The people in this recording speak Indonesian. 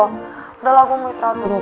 udahlah gue mau istirahat